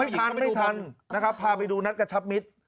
ทันไม่ทันนะครับพาไปดูนัดกระชับมิตร